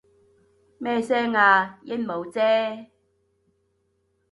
咩聲啊？鸚鵡啫